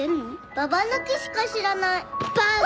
ババ抜きしか知らない。